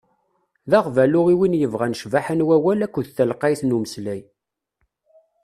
D aɣbalu i win yebɣan ccbaḥa n wawal akked telqayt n umeslay.